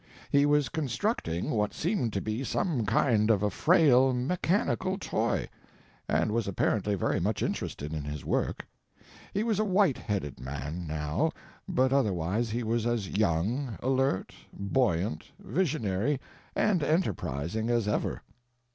He was constructing what seemed to be some kind of a frail mechanical toy; and was apparently very much interested in his work. He was a white headed man, now, but otherwise he was as young, alert, buoyant, visionary and enterprising as ever.